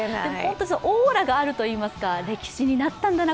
オーラがあるといいますか歴史になったんだな